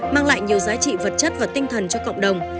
mang lại nhiều giá trị vật chất và tinh thần cho cộng đồng